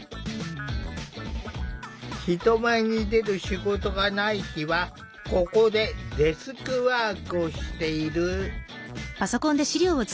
人前に出る仕事がない日はここでデスクワークをしている。